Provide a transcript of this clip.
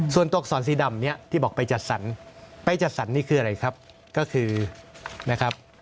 ส่วนตกสอนสีดำเนี่ยที่บอกไปจัดสรรไปจัดสรรนี่คืออะไรครับก็คือนะครับ